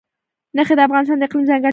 ښتې د افغانستان د اقلیم ځانګړتیا ده.